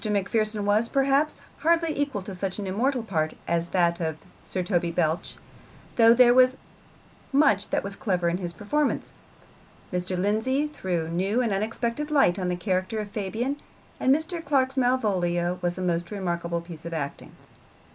Macpherson was, perhaps, hardly equal to such an immortal part as that of Sir Toby Belch, though there was much that was clever in his performance. Mr. Lindsay threw new and unexpected light on the character of Fabian, and Mr. Clark's Malvolio was a most remarkable piece of acting.